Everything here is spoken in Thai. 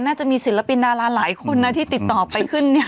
น่าจะมีศิลปินดาราหลายคนนะที่ติดต่อไปขึ้น